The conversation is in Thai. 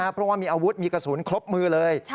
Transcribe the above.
เพราะว่ามีอาวุธมีกระสุนครบมือเลย